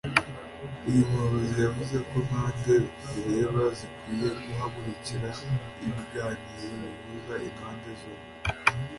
uyu muyobozi yavuze ko impande bireba zikwiye guhagurukira ibiganiro bihuza impande zombi